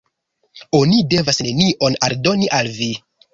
Oni devas nenion aldoni al vi.